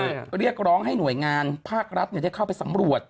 เพื่อเรียกร้องให้หน่วยงานภาครัฐได้เข้าไปสำรวจ